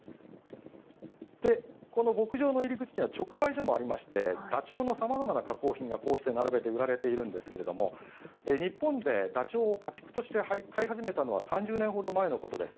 この牧場の入り口には、直売所もありまして、ダチョウのさまざまな加工品がこうして並べて売られているんですけれども、日本でダチョウを家畜として飼い始めたのは３０年ほど前のことです。